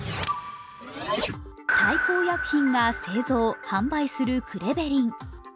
大幸薬品が製造・販売するクレベリン。